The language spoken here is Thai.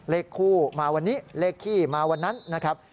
เลขคู่มาวันนี้เลขขี้มาวันนั้นนะครับ